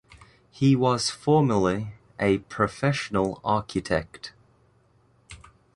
He was formerly a professional architect.